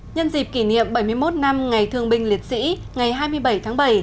nhân dịp kỷ niệm bảy mươi một năm ngày thương binh liệt sĩ ngày hai mươi bảy tháng bảy